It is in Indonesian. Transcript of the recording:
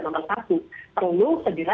nomor satu perlu